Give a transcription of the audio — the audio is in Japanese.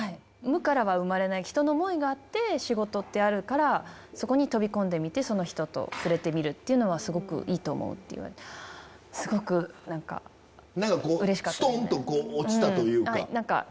無からは生まれない、人の思いがあって仕事ってあるから、そこに飛び込んでみて、その人と触れてみるっていうのは、すごくいいと思うって言われて、すごくすとんと落ちたというか。